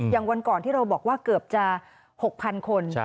วันก่อนที่เราบอกว่าเกือบจะ๖๐๐๐คน